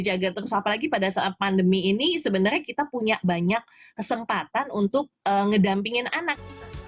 jaga terus apalagi pada saat pandemi ini sebenarnya kita punya banyak kesempatan untuk ngedampingin anak